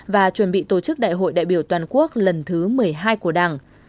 và chuẩn bị tổ chức đại hội đại biểu toàn quốc lần thứ một mươi hai của đảng